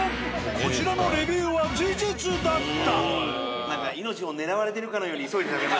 こちらのレビューは事実だった。